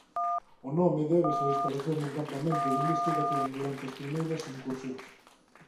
O nome débese á instalación dun campamento de investigación durante as primeiras incursións.